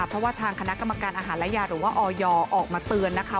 เพราะว่าทางคณะกรรมการอาหารและยาหรือว่าออยออกมาเตือนนะคะ